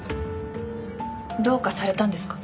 どうかされたんですか？